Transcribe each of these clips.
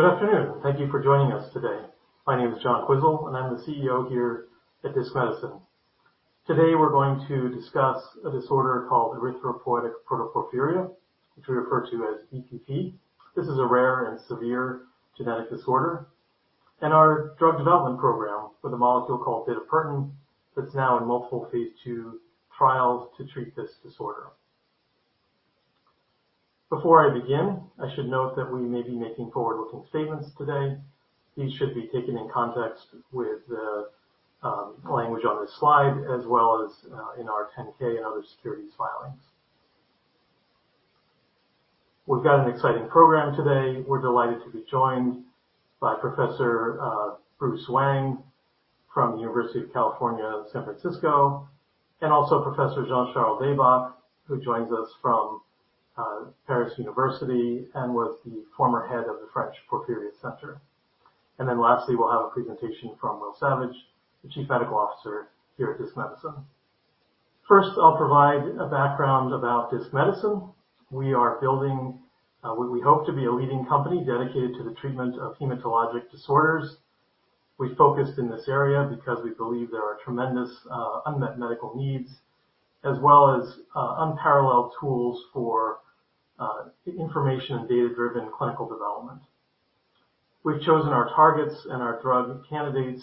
Good afternoon. Thank you for joining us today. My name is John Quisel, and I'm the CEO here at Disc Medicine. Today we're going to discuss a disorder called erythropoietic protoporphyria, which we refer to as EPP. This is a rare and severe genetic disorder and our drug development program with a molecule called bitopertin that's now in multiple phase 2 trials to treat this disorder. Before I begin, I should note that we may be making forward-looking statements today. These should be taken in context with the language on this slide, as well as in our 10-K and other securities filings. We've got an exciting program today. We're delighted to be joined by Professor Bruce Wang from the University of California, San Francisco, and also Professor Jean-Charles Deybach, who joins us from Université Paris Cité and was the former head of the Centre Français des Porphyries. Lastly, we'll have a presentation from Will Savage, the Chief Medical Officer here at Disc Medicine. First, I'll provide a background about Disc Medicine. We are building what we hope to be a leading company dedicated to the treatment of hematologic disorders. We focused in this area because we believe there are tremendous unmet medical needs as well as unparalleled tools for information and data-driven clinical development. We've chosen our targets and our drug candidates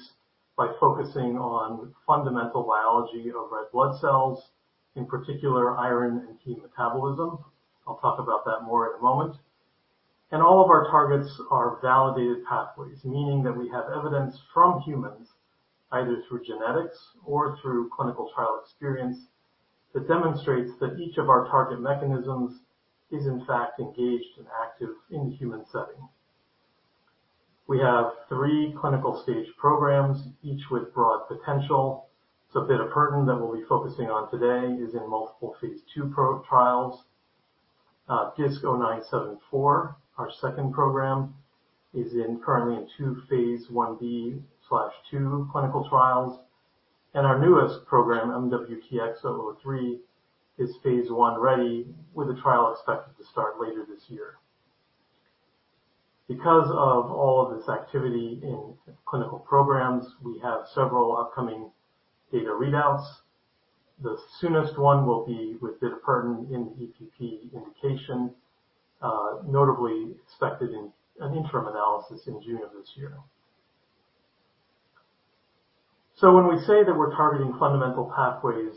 by focusing on fundamental biology of red blood cells, in particular iron and key metabolism. I'll talk about that more in a moment. All of our targets are validated pathways, meaning that we have evidence from humans, either through genetics or through clinical trial experience, that demonstrates that each of our target mechanisms is in fact engaged and active in the human setting. We have 3 clinical stage programs, each with broad potential. bitopertin that we'll be focusing on today is in multiple phase 2 pro-trials. DISC-0974, our second program, is in currently in 2 phase 1B/2 clinical trials. Our newest program, MWTX-003, is phase 1 ready with a trial expected to start later this year. Because of all of this activity in clinical programs, we have several upcoming data readouts. The soonest one will be with bitopertin in EPP indication, notably expected in an interim analysis in June of this year. When we say that we're targeting fundamental pathways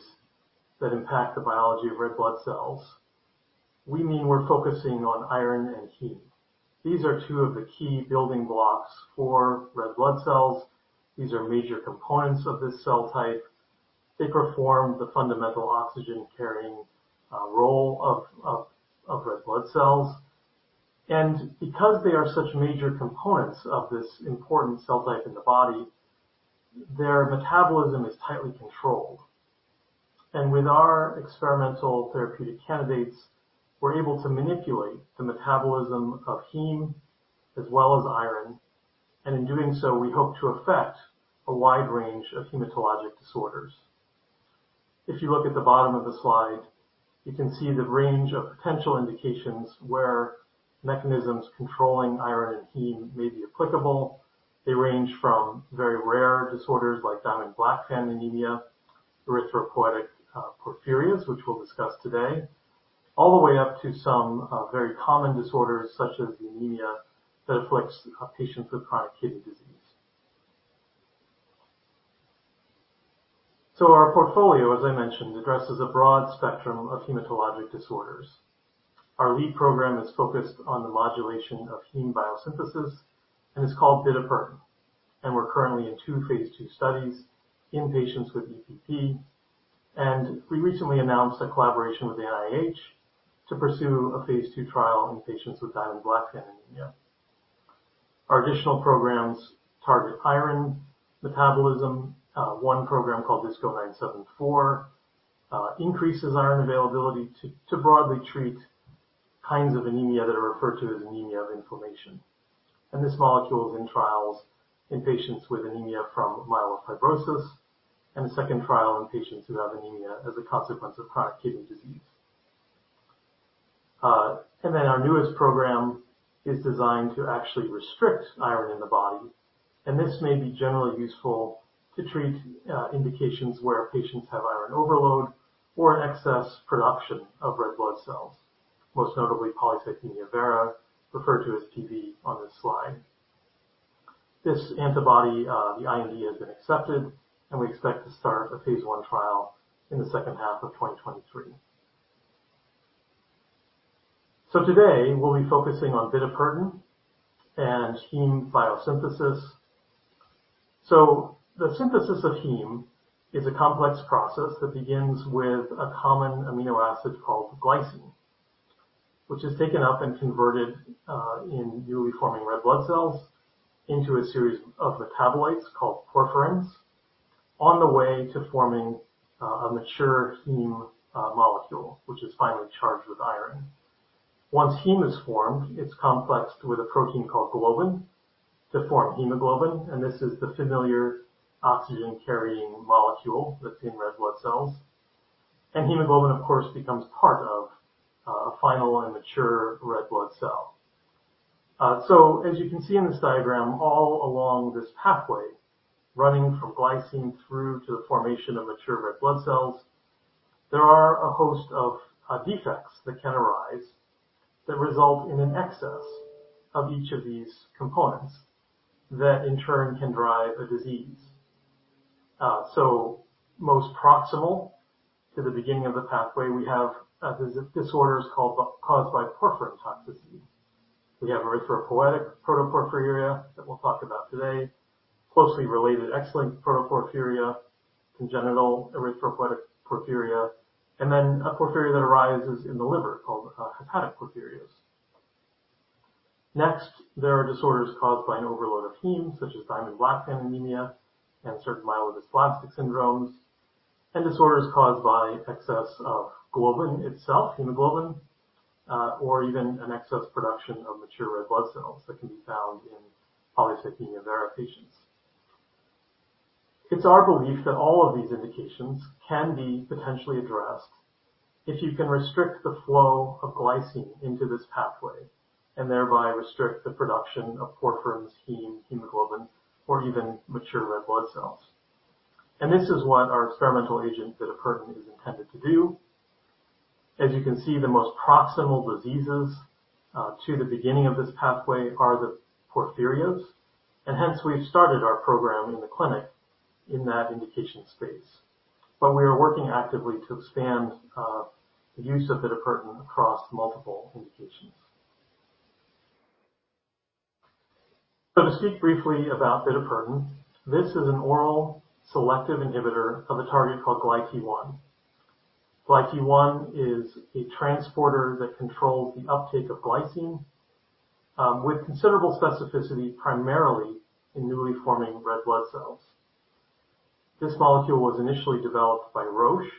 that impact the biology of red blood cells, we mean we're focusing on iron and heme. These are 2 of the key building blocks for red blood cells. These are major components of this cell type. They perform the fundamental oxygen carrying role of red blood cells. Because they are such major components of this important cell type in the body, their metabolism is tightly controlled. With our experimental therapeutic candidates, we're able to manipulate the metabolism of heme as well as iron, and in doing so, we hope to affect a wide range of hematologic disorders. If you look at the bottom of the slide, you can see the range of potential indications where mechanisms controlling iron and heme may be applicable. They range from very rare disorders like Diamond-Blackfan anemia, erythropoietic porphyrias, which we'll discuss today, all the way up to some very common disorders such as anemia that afflicts patients with chronic kidney disease. Our portfolio, as I mentioned, addresses a broad spectrum of hematologic disorders. Our lead program is focused on the modulation of heme biosynthesis, and it's called bitopertin. We're currently in 2 phase 2 studies in patients with EPP. We recently announced a collaboration with NIH to pursue a phase 2 trial in patients with Diamond-Blackfan anemia. Our additional programs target iron metabolism. One program called DISC-0974 increases iron availability to broadly treat kinds of anemia that are referred to as anemia of inflammation. This molecule is in trials in patients with anemia from myelofibrosis and a second trial in patients who have anemia as a consequence of chronic kidney disease. Our newest program is designed to actually restrict iron in the body, and this may be generally useful to treat indications where patients have iron overload or an excess production of red blood cells, most notably polycythemia vera, referred to as PV on this slide. This antibody, the IND, has been accepted, and we expect to start a phase 1 trial in the second half of 2023. Today we'll be focusing on bitopertin and heme biosynthesis. The synthesis of heme is a complex process that begins with a common amino acid called glycine, which is taken up and converted in newly forming red blood cells into a series of metabolites called porphyrins on the way to forming a mature heme molecule, which is finally charged with iron. Once heme is formed, it's complexed with a protein called globin to form hemoglobin. This is the familiar oxygen-carrying molecule that's in red blood cells. Hemoglobin, of course, becomes part of a final and mature red blood cell. As you can see in this diagram, all along this pathway, running from glycine through to the formation of mature red blood cells, there are a host of defects that can arise that result in an excess of each of these components that in turn can drive a disease. Most proximal to the beginning of the pathway, we have disorders caused by porphyrin toxicity. We have Erythropoietic protoporphyria that we'll talk about today, closely related X-linked protoporphyria, Congenital erythropoietic porphyria, and then a porphyria that arises in the liver called Hepatic porphyrias. Next, there are disorders caused by an overload of heme, such as Diamond-Blackfan anemia and certain myelodysplastic syndromes, and disorders caused by excess of globin itself, hemoglobin, or even an excess production of mature red blood cells that can be found in polycythemia vera patients. It's our belief that all of these indications can be potentially addressed if you can restrict the flow of glycine into this pathway, and thereby restrict the production of porphyrins, heme, hemoglobin, or even mature red blood cells. This is what our experimental agent, bitopertin, is intended to do. As you can see, the most proximal diseases to the beginning of this pathway are the porphyrias, and hence we've started our program in the clinic in that indication space. We are working actively to expand the use of bitopertin across multiple indications. To speak briefly about bitopertin, this is an oral selective inhibitor of a target called GlyT1. GlyT1 is a transporter that controls the uptake of glycine with considerable specificity primarily in newly forming red blood cells. This molecule was initially developed by Roche.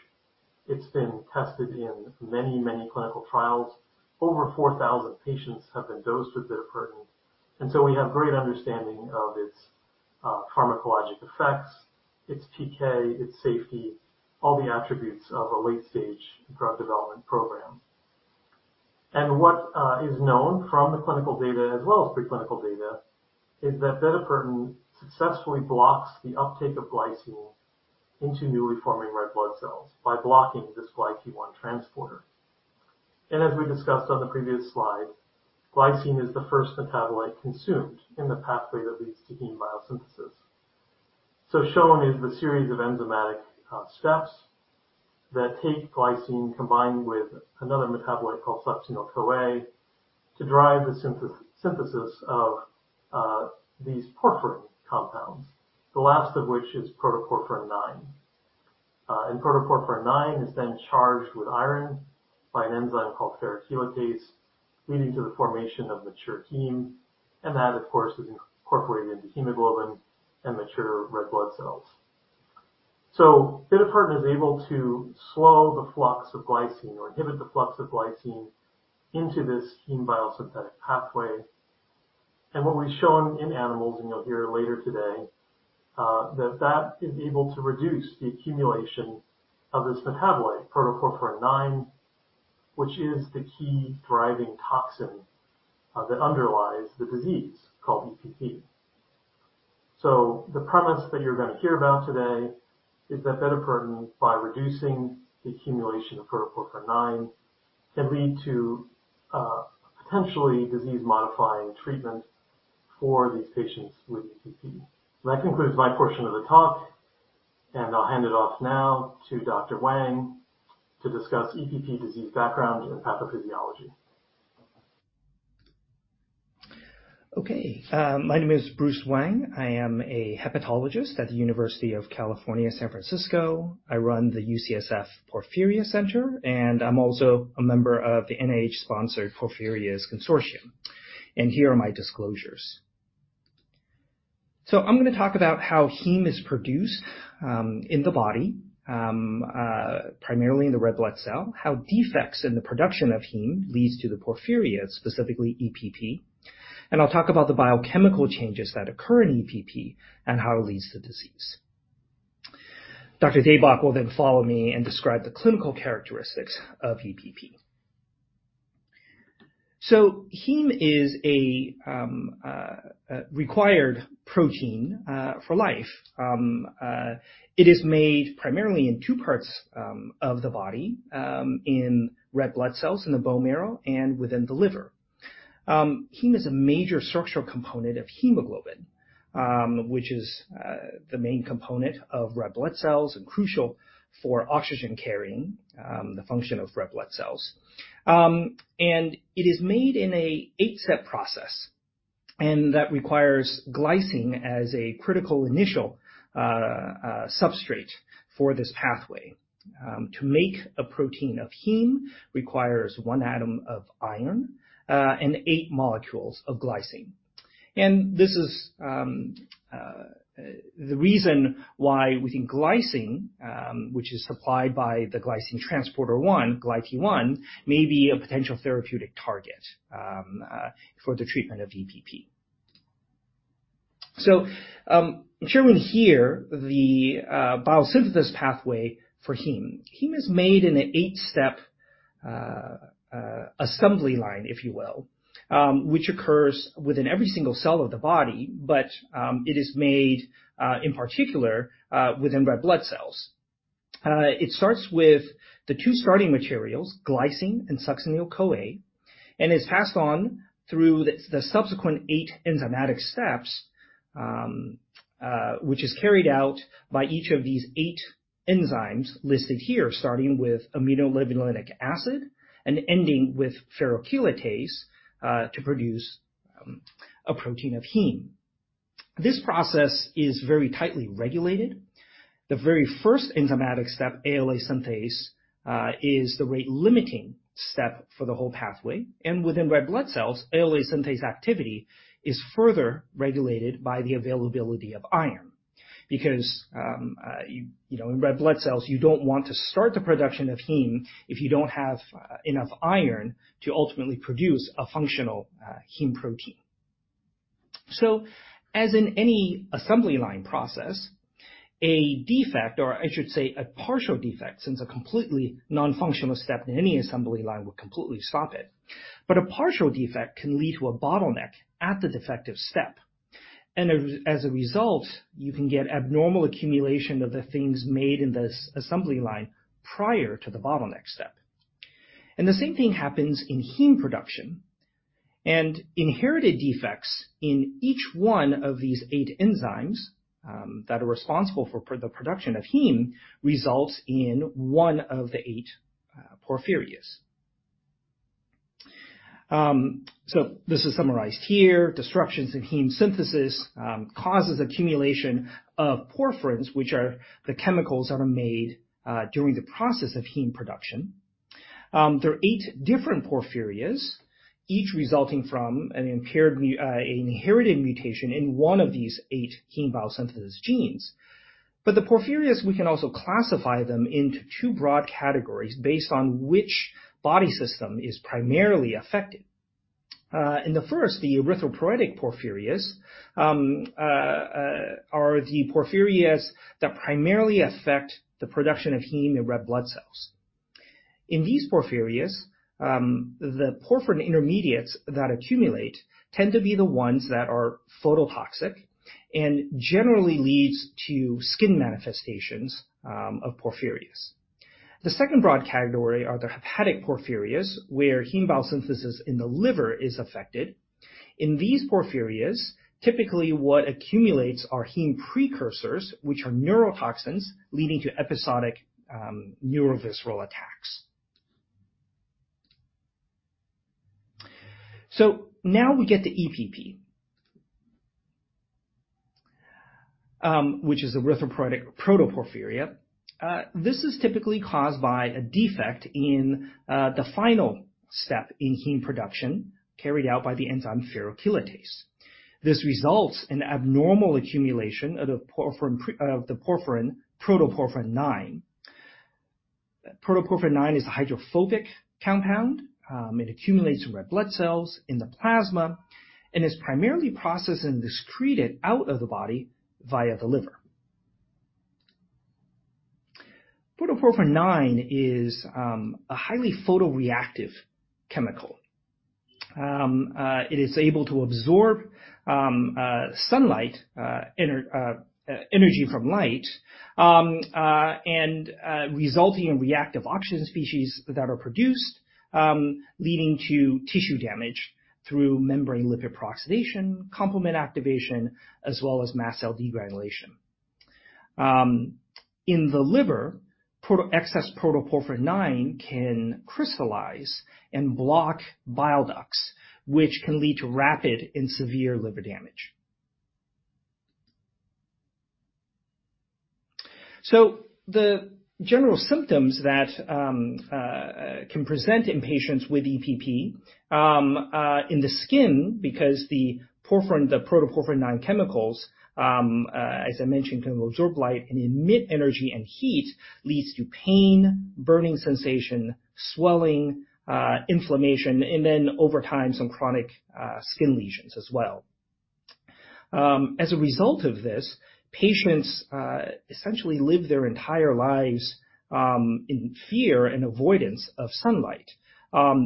It's been tested in many clinical trials. Over 4,000 patients have been dosed with bitopertin, we have great understanding of its pharmacologic effects, its TK, its safety, all the attributes of a late-stage drug development program. What is known from the clinical data as well as pre-clinical data is that bitopertin successfully blocks the uptake of glycine into newly forming red blood cells by blocking this GlyT1 transporter. As we discussed on the previous slide, glycine is the first metabolite consumed in the pathway that leads to heme biosynthesis. Shown is the series of enzymatic steps that take glycine combined with another metabolite called succinyl-CoA to drive the synthesis of these porphyrin compounds, the last of which is protoporphyrin IX. Protoporphyrin IX is then charged with iron by an enzyme called ferrochelatase, leading to the formation of mature heme. That, of course, is incorporated into hemoglobin and mature red blood cells. Bitopertin is able to slow the flux of glycine or inhibit the flux of glycine into this heme biosynthetic pathway. What we've shown in animals, and you'll hear later today, that that is able to reduce the accumulation of this metabolite, protoporphyrin IX, which is the key driving toxin that underlies the disease called EPP. The premise that you're gonna hear about today is that bitopertin, by reducing the accumulation of protoporphyrin IX, can lead to potentially disease-modifying treatment for these patients with EPP. That concludes my portion of the talk. I'll hand it off now to Dr. Wang to discuss EPP disease background and pathophysiology. Okay. My name is Bruce Wang. I am a hepatologist at the University of California, San Francisco. I run the UCSF Porphyria Center, and I'm also a member of the NIH-sponsored Porphyrias Consortium. Here are my disclosures. I'm gonna talk about how heme is produced in the body, primarily in the red blood cell, how defects in the production of heme leads to the porphyrias, specifically EPP. I'll talk about the biochemical changes that occur in EPP and how it leads to disease. Dr. Deybach will follow me and describe the clinical characteristics of EPP. Heme is a required protein for life. It is made primarily in two parts of the body, in red blood cells in the bone marrow and within the liver. Heme is a major structural component of hemoglobin, which is the main component of red blood cells and crucial for oxygen carrying the function of red blood cells. It is made in an eight-step process, and that requires glycine as a critical initial substrate for this pathway. To make a protein of heme requires one atom of iron and eight molecules of glycine. This is the reason why we think glycine, which is supplied by the glycine transporter 1, GlyT1, may be a potential therapeutic target for the treatment of EPP. Shown here the biosynthesis pathway for heme. Heme is made in an eight-step, assembly line, if you will, which occurs within every single cell of the body, but it is made in particular within red blood cells. It starts with the two starting materials, glycine and succinyl-CoA, and is passed on through the subsequent eight enzymatic steps, which is carried out by each of these eight enzymes listed here, starting with aminolevulinic acid and ending with ferrochelatase, to produce a protein of heme. This process is very tightly regulated. The very first enzymatic step, ALA synthase, is the rate-limiting step for the whole pathway. Within red blood cells, ALA synthase activity is further regulated by the availability of iron because, you know, in red blood cells, you don't want to start the production of heme if you don't have enough iron to ultimately produce a functional heme protein. As in any assembly line process, a defect, or I should say a partial defect, since a completely non-functional step in any assembly line would completely stop it. A partial defect can lead to a bottleneck at the defective step. As a result, you can get abnormal accumulation of the things made in this assembly line prior to the bottleneck step. The same thing happens in heme production. Inherited defects in each 1 of these 8 enzymes that are responsible for the production of heme results in 1 of the 8 porphyrias. This is summarized here. Disruptions in heme synthesis causes accumulation of porphyrins, which are the chemicals that are made during the process of heme production. There are 8 different porphyrias, each resulting from an inherited mutation in 1 of these 8 heme biosynthesis genes. The porphyrias, we can also classify them into 2 broad categories based on which body system is primarily affected. The first, the erythropoietic porphyrias are the porphyrias that primarily affect the production of heme in red blood cells. In these porphyrias, the porphyrin intermediates that accumulate tend to be the ones that are phototoxic and generally leads to skin manifestations of porphyrias. The second broad category are the Hepatic porphyrias, where heme biosynthesis in the liver is affected. In these porphyrias, typically, what accumulates are heme precursors, which are neurotoxins leading to episodic neurovisceral attacks. Now we get to EPP. Which is Erythropoietic protoporphyria. This is typically caused by a defect in the final step in heme production carried out by the enzyme ferrochelatase. This results in abnormal accumulation of the protoporphyrin IX. Protoporphyrin IX is a hydrophobic compound. It accumulates in red blood cells in the plasma and is primarily processed and excreted out of the body via the liver. Protoporphyrin IX is a highly photoreactive chemical. It is able to absorb sunlight energy from light and resulting in reactive oxygen species that are produced, leading to tissue damage through membrane lipid peroxidation, complement activation, as well as mast cell degranulation. In the liver, excess protoporphyrin IX can crystallize and block bile ducts, which can lead to rapid and severe liver damage. The general symptoms that can present in patients with EPP in the skin because the porphyrin, the protoporphyrin IX chemicals, as I mentioned, can absorb light and emit energy and heat leads to pain, burning sensation, swelling, inflammation, and then over time, some chronic skin lesions as well. As a result of this, patients essentially live their entire lives in fear and avoidance of sunlight.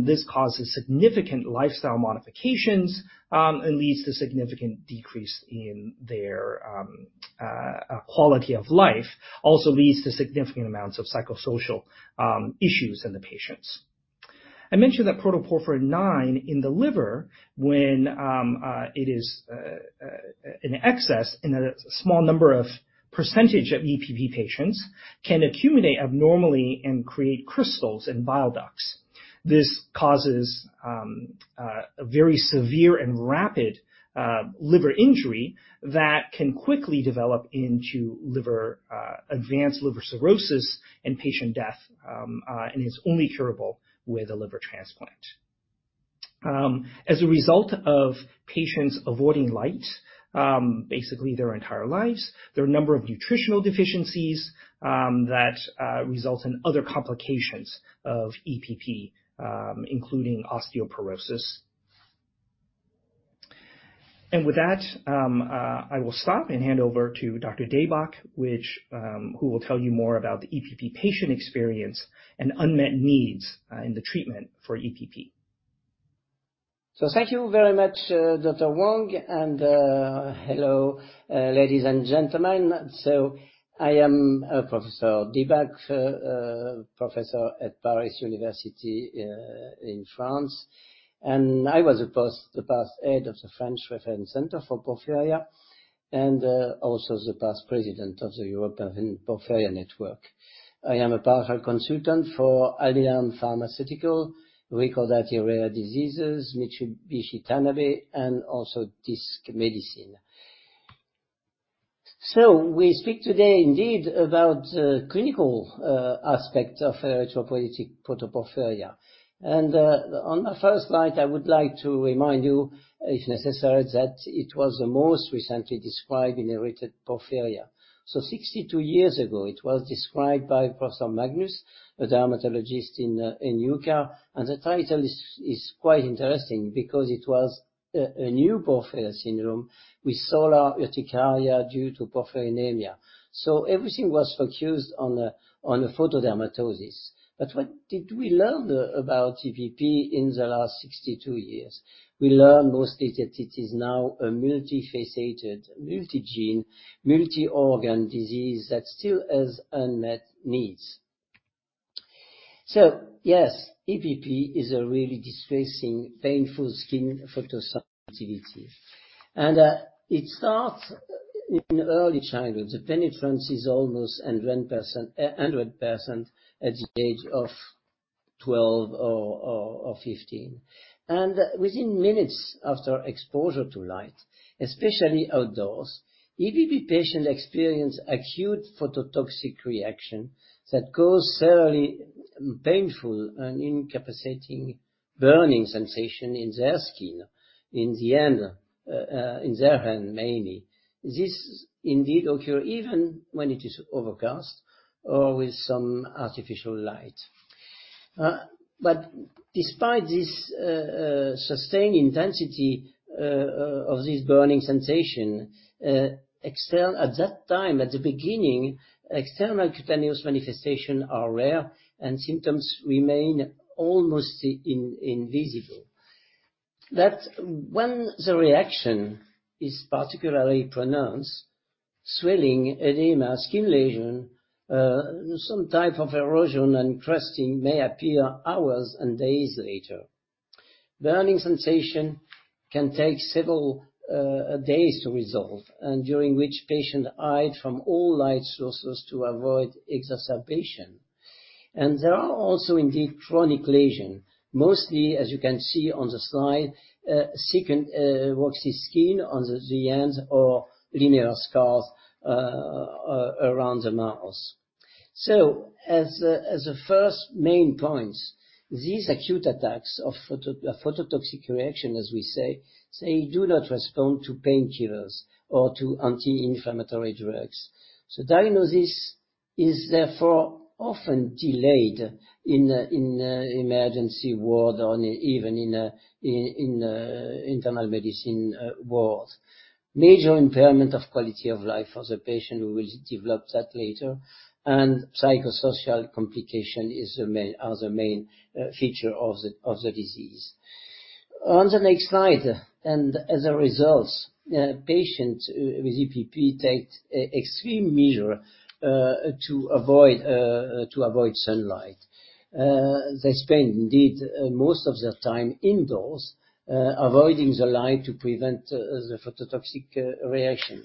This causes significant lifestyle modifications and leads to significant decrease in their quality of life. Also leads to significant amounts of psychosocial issues in the patients. I mentioned that protoporphyrin IX in the liver when it is in excess in a small number of percentage of EPP patients can accumulate abnormally and create crystals in bile ducts. This causes a very severe and rapid liver injury that can quickly develop into advanced liver cirrhosis and patient death and is only curable with a liver transplant. As a result of patients avoiding light, basically their entire lives, there are a number of nutritional deficiencies that result in other complications of EPP, including osteoporosis. With that, I will stop and hand over to Dr. Deybach, which, who will tell you more about the EPP patient experience and unmet needs in the treatment for EPP. Thank you very much, Dr. Wang, hello, ladies and gentlemen. I am Professor Deybach, a professor at Paris University, in France, and I was the past head of the French Reference Center for Porphyria and also the past president of the European Porphyria Network. I am a partial consultant for Alnylam Pharmaceuticals, Recordati Rare Diseases, Mitsubishi Tanabe, and also Disc Medicine. We speak today indeed about the clinical aspect of erythropoietic protoporphyria. On the first slide, I would like to remind you, if necessary, that it was the most recently described inherited porphyria. 62 years ago, it was described by Professor Magnus, a dermatologist in the U.K. The title is quite interesting because it was a new porphyria syndrome with solar urticaria due to porphyria anemia. Everything was focused on the photodermatosis. What did we learn about EPP in the last 62 years? We learned mostly that it is now a multifaceted, multigene, multi-organ disease that still has unmet needs. Yes, EPP is a really distressing, painful skin photosensitivity. It starts in early childhood. The penetrance is almost 100%, 100% at the age of 12 or, or 15. Within minutes after exposure to light, especially outdoors, EPP patient experience acute phototoxic reaction that cause severely painful and incapacitating burning sensation in their skin, in the end, in their hand mainly. This indeed occur even when it is overcast or with some artificial light. Despite this sustained intensity of this burning sensation, at that time, at the beginning, external cutaneous manifestations are rare, and symptoms remain almost invisible. That when the reaction is particularly pronounced, swelling, edema, skin lesion, some type of erosion and crusting may appear hours and days later. Burning sensation can take several days to resolve, and during which patient hide from all light sources to avoid exacerbation. There are also indeed chronic lesion. Mostly, as you can see on the slide, thickened, waxy skin on the hands or linear scars around the mouth. As a first main point, these acute attacks of phototoxic reaction, as we say, they do not respond to painkillers or to anti-inflammatory drugs. Diagnosis is therefore often delayed in emergency ward or even in internal medicine ward. Major impairment of quality of life for the patient, we will develop that later, and psychosocial complication are the main feature of the disease. On the next slide, as a result, patients with EPP take extreme measure to avoid sunlight. They spend indeed most of their time indoors, avoiding the light to prevent the phototoxic reaction.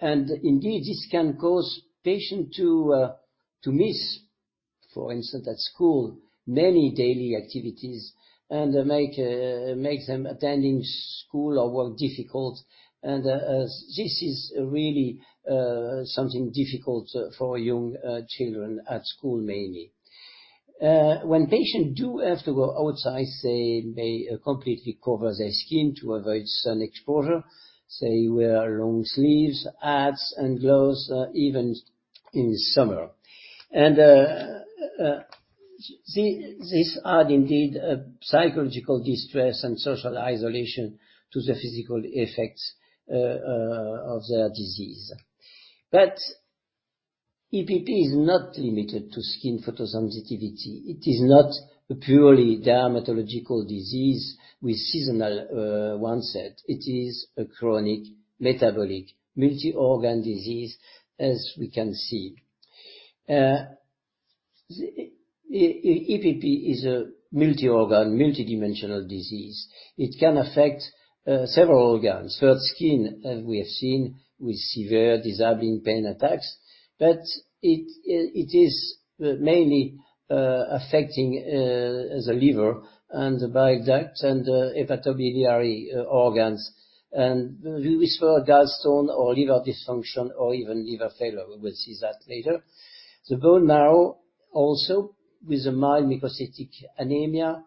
Indeed, this can cause patient to miss, for instance, at school, many daily activities and make them attending school or work difficult. This is really something difficult for young children at school mainly. When patient do have to go outside, they completely cover their skin to avoid sun exposure. They wear long sleeves, hats and gloves, even in summer. This add indeed a psychological distress and social isolation to the physical effects of their disease. EPP is not limited to skin photosensitivity. It is not a purely dermatological disease with seasonal onset. It is a chronic metabolic multi-organ disease, as we can see. EPP is a multi-organ, multidimensional disease. It can affect several organs. First, skin, as we have seen, with severe disabling pain attacks. It is mainly affecting the liver and the bile ducts and hepatobiliary organs. We risk for gallstone or liver dysfunction or even liver failure. We will see that later. The bone marrow also with a mild microcytic anemia.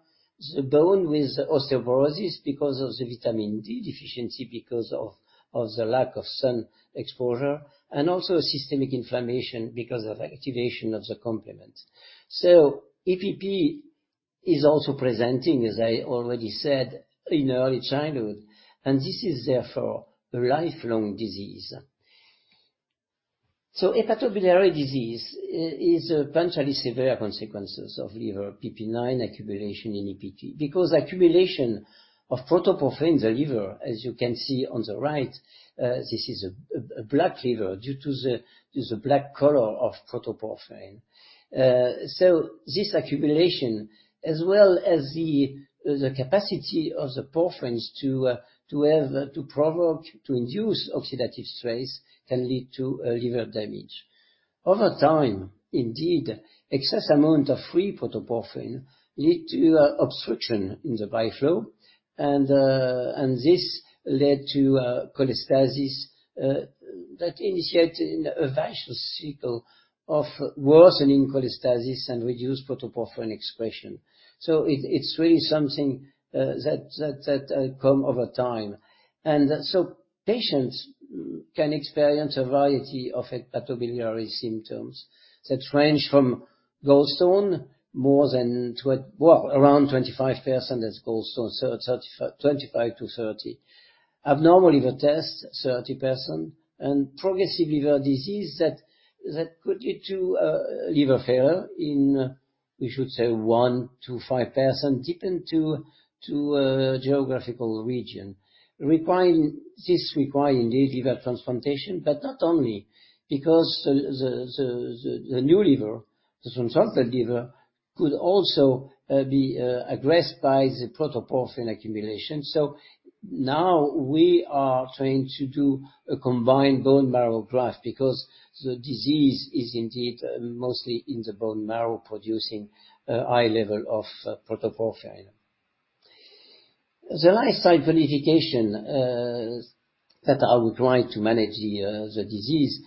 The bone with osteoporosis because of the vitamin D deficiency because of the lack of sun exposure and also systemic inflammation because of activation of the complement. EPP also presenting, as I already said, in early childhood, and this is therefore a lifelong disease. Hepatobiliary disease is potentially severe consequences of liver PP9 accumulation in EPP, because accumulation of protoporphyrin in the liver, as you can see on the right, this is a black liver due to the black color of protoporphyrin. This accumulation, as well as the capacity of the porphyrins to have, to provoke, to induce oxidative stress, can lead to liver damage. Over time, indeed, excess amount of free protoporphyrin lead to obstruction in the bile flow and this led to cholestasis that initiate a vicious cycle of worsening cholestasis and reduced protoporphyrin expression. It's really something that come over time. Patients can experience a variety of hepatobiliary symptoms that range from gallstone, more than around 25% has gallstone, so 25%-30%. Abnormal liver tests, 30%. Progressive liver disease that could lead to liver failure in, we should say 1%-5%, depend to geographical region. This require indeed liver transplantation, but not only because the new liver, the transplanted liver, could also be aggressed by the protoporphyrin accumulation. We are trying to do a combined bone marrow graft because the disease is indeed mostly in the bone marrow producing a high level of protoporphyrin. The lifestyle limitation that are required to manage the disease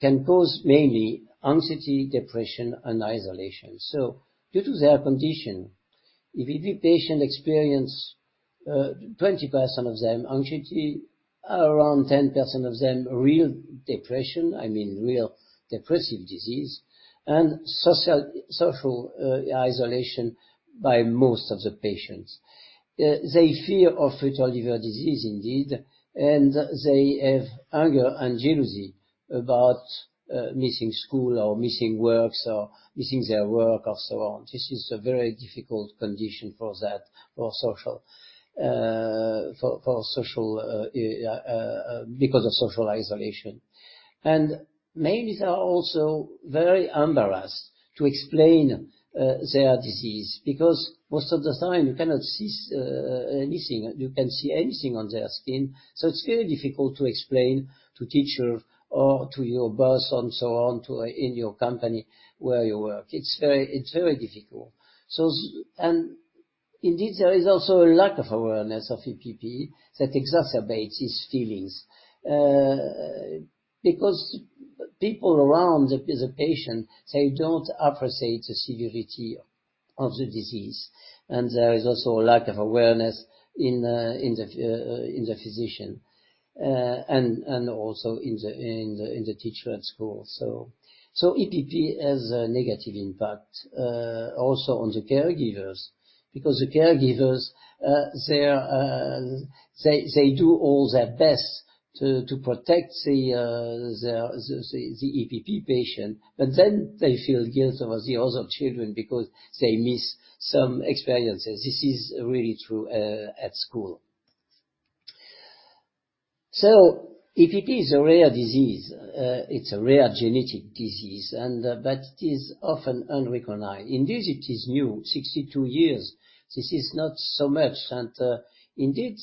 can cause mainly anxiety, depression, and isolation. Due to their condition, if EPP patients experience 20% of them anxiety, around 10% of them real depression, I mean real depressive disease, and social isolation by most of the patients. They fear of fatal liver disease indeed, and they have anger and jealousy about missing school or missing works or missing their work or so on. This is a very difficult condition for that, for social, for social because of social isolation. Many are also very embarrassed to explain their disease because most of the time you cannot see anything. You can't see anything on their skin, so it's very difficult to explain to teacher or to your boss and so on, in your company where you work. It's very difficult. Indeed there is also a lack of awareness of EPP that exacerbates these feelings. Because people around the patient, they don't appreciate the severity of the disease. There is also a lack of awareness in the physician. Also in the teacher at school. EPP has a negative impact also on the caregivers, because the caregivers they do all their best to protect the EPP patient, but then they feel guilt over the other children because they miss some experiences. This is really true at school. EPP is a rare disease. It's a rare genetic disease but it is often unrecognized. Indeed it is new. 62 years, this is not so much. Indeed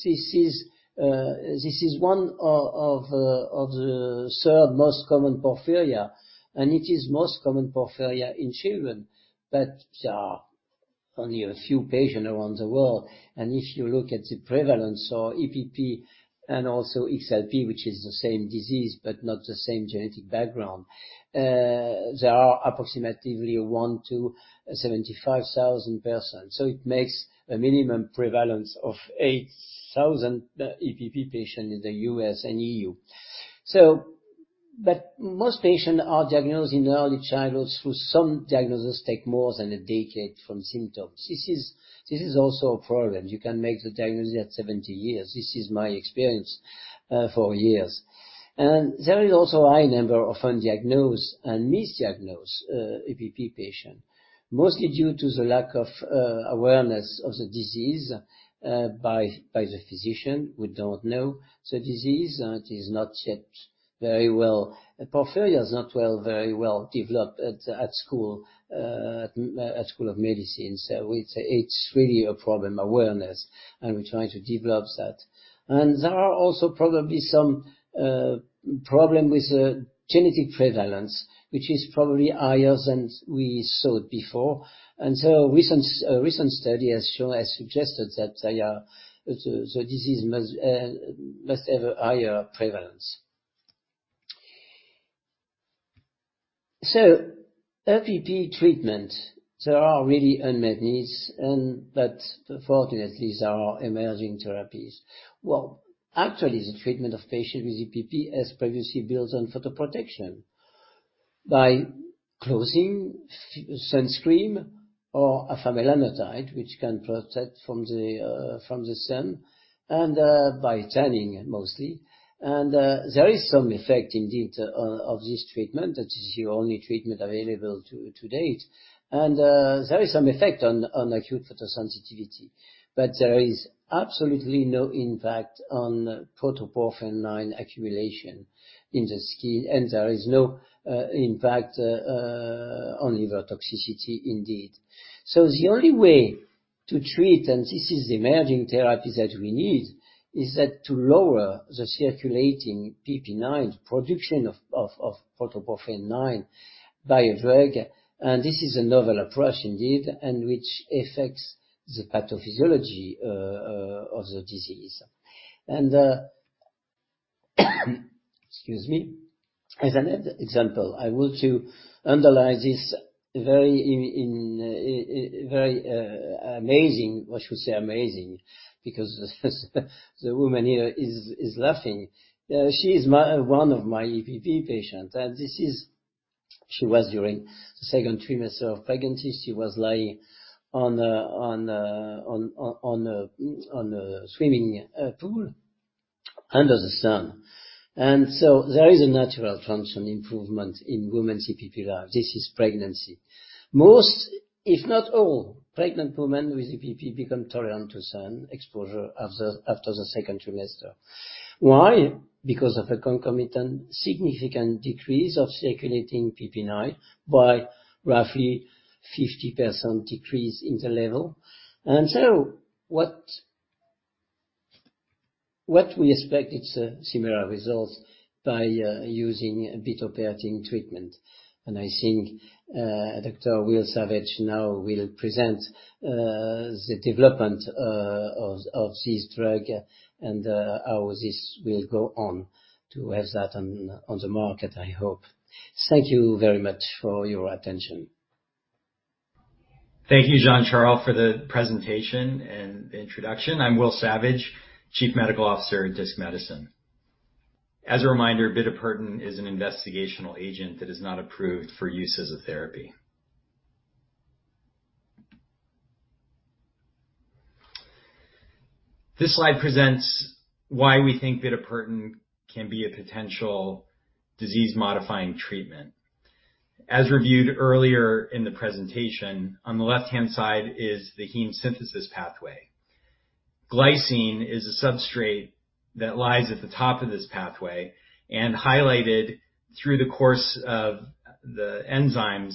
this is one of the third most common porphyria, and it is most common porphyria in children. There are only a few patient around the world. If you look at the prevalence of EPP and also XLP, which is the same disease but not the same genetic background, there are approximately 1 to 75,000 persons. It makes a minimum prevalence of 8,000 EPP patients in the U.S. and E.U. Most patients are diagnosed in early childhood, though some diagnosis take more than a decade from symptoms. This is also a problem. You can make the diagnosis at 70 years. This is my experience for years. There is also a high number of undiagnosed and misdiagnosed EPP patient. Mostly due to the lack of awareness of the disease by the physician who don't know the disease, and it is not yet very well. Porphyria is not well, very well developed at school of medicine. It's really a problem, awareness, and we're trying to develop that. There are also probably some problem with the genetic prevalence, which is probably higher than we thought before. A recent study has suggested that the disease must have a higher prevalence. EPP treatment, there are really unmet needs and but fortunately there are emerging therapies. Well, actually the treatment of patients with EPP has previously built on photoprotection. By closing sunscreen or afamelanotide, which can protect from the sun and by tanning mostly. There is some effect indeed of this treatment. That is your only treatment available to date. There is some effect on acute photosensitivity, but there is absolutely no impact on protoporphyrin IX accumulation in the skin, and there is no impact on liver toxicity indeed. The only way to treat, and this is the emerging therapy that we need, is that to lower the circulating PP IX production of protoporphyrin IX by a VEC. This is a novel approach indeed, and which affects the pathophysiology of the disease. Excuse me. As an example, I want to underline this in very amazing, what you say amazing because the woman here is laughing. She is one of my EPP patient, and She was during the second trimester of pregnancy. She was lying on a swimming pool under the sun. There is a natural function improvement in women's EPP level. This is pregnancy. Most, if not all pregnant women with EPP become tolerant to sun exposure after the second trimester. Why? Because of a concomitant significant decrease of circulating PP IX by roughly 50% decrease in the level. What we expect is a similar result by using a bitopertin treatment. I think Dr. Will Savage now will present the development of this drug and how this will go on to have that on the market I hope. Thank you very much for your attention. Thank you, Jean-Charles, for the presentation and the introduction. I'm William Savage, Chief Medical Officer at Disc Medicine. As a reminder, bitopertin is an investigational agent that is not approved for use as a therapy. This slide presents why we think bitopertin can be a potential disease-modifying treatment. As reviewed earlier in the presentation, on the left-hand side is the heme synthesis pathway. Glycine is a substrate that lies at the top of this pathway and highlighted through the course of the enzymes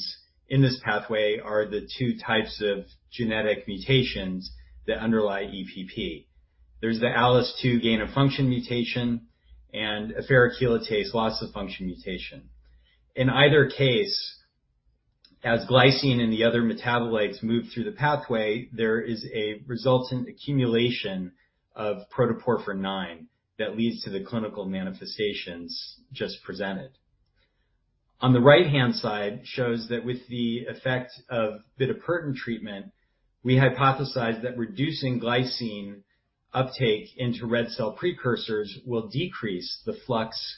in this pathway are the two types of genetic mutations that underlie EPP. There's the ALAS2 gain-of-function mutation and a ferrochelatase loss-of-function mutation. In either case, as glycine and the other metabolites move through the pathway, there is a resultant accumulation of protoporphyrin IX that leads to the clinical manifestations just presented. The right-hand side shows that with the effect of bitopertin treatment, we hypothesized that reducing glycine uptake into red cell precursors will decrease the flux